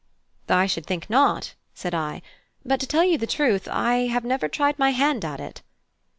"I should think not," said I, "but to tell you the truth, I have never tried my hand at it."